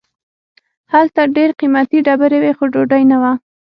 هلته ډیر قیمتي ډبرې وې خو ډوډۍ نه وه.